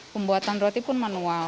pembuatan roti pun manual